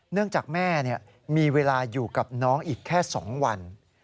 เนื่องจากแม่มีเวลาอยู่กับน้องอีกแค่๒วัน